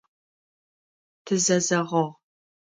Тызэзэгъыгъ.